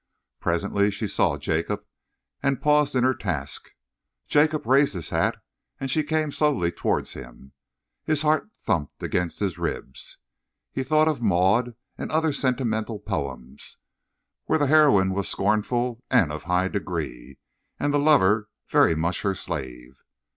Presently she saw Jacob and paused in her task. Jacob raised his hat and she came slowly towards him. His heart thumped against his ribs. He thought of "Maud" and other sentimental poems, where the heroine was scornful and of high degree, and the lover very much her slave.